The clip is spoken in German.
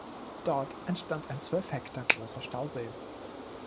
Dort entstand ein zwölf Hektar großer Stausee.